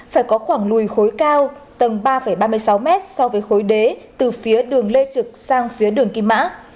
phải có khoảng lùi khối cao tầng ba ba mươi sáu mét so với khối đế từ phía đường lê trực sang phía đường kim mã